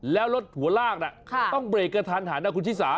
แล้วรถหัวลากน่ะต้องเบรคกระทันนะคุณชิศา